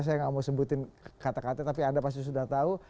saya nggak mau sebutin kata kata tapi anda pasti sudah tahu